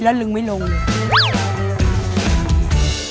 กินแล้วลึงไม่ลงเลย